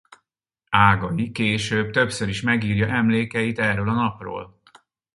Ágai később többször is megírja emlékeit erről a napról.